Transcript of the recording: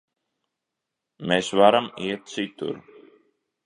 Mēs varam iet citur.